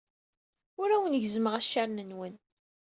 Ur awen-gezzmeɣ accaren-nwen.